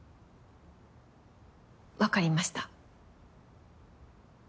わかりました。